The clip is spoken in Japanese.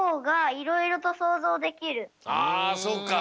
あそうか。